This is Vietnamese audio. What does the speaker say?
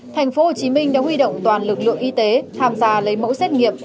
thành phố hồ chí minh đã huy động toàn lực lượng y tế tham gia lấy mẫu xét nghiệm